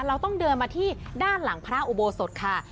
เราต้องเดินมาที่ด้านหลังพระอุโบสถค่ะ